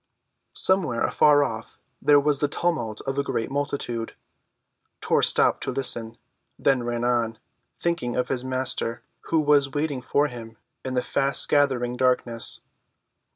Somewhere, afar off, there was the tumult of a great multitude. Tor stopped to listen, then ran on, thinking of his Master, who was waiting for him in the fast‐gathering darkness.